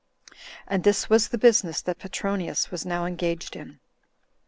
And this was the business that Petronius was now engaged in.